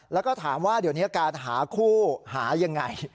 แล้วก็ถามว่าเดี๋ยวนี้การหาคู่หายังไง